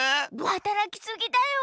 はたらきすぎだよ。